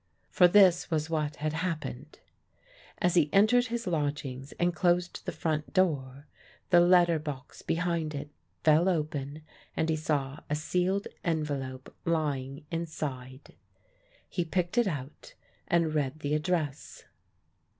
For this was what had happened: as he entered his lodgings and closed the front door, the letter box behind it fell open and he saw a sealed envelope lying inside. He picked it out and read the address.